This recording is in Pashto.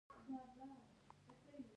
د موټر له شاته برخې څخه د ښځو چیغې راتلې